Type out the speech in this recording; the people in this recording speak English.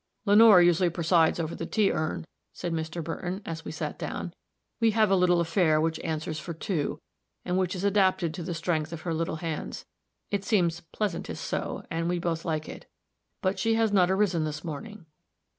"Lenore usually presides over the tea urn," said Mr. Burton, as we sat down. "We have a little affair which answers for two, and which is adapted to the strength of her little hands. It seems pleasantest so; and we both like it but she has not arisen this morning."